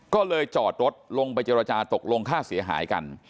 ก็เลยจอดรถลงไปเจรจาตกลงค่าเสียหายกัน